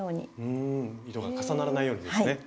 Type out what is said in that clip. うん糸が重ならないようにですね。